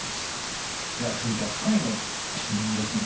では続いては最後の質問ですね？